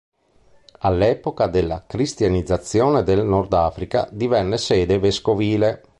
All'epoca della cristianizzazione del Nordafrica, divenne sede vescovile.